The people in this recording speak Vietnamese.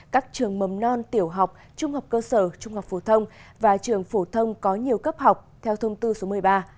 các trường mầm non tiểu học trung học cơ sở trung học phổ thông và trường phổ thông có nhiều cấp học theo thông tư số một mươi ba